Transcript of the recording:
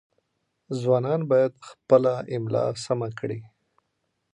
ځوانان باید خپله املاء سمه کړي.